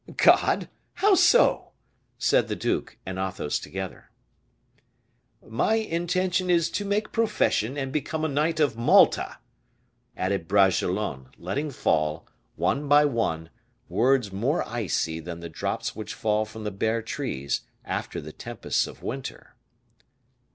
"God! how so?" said the duke and Athos together. "My intention is to make profession, and become a knight of Malta," added Bragelonne, letting fall, one by one, words more icy than the drops which fall from the bare trees after the tempests of winter.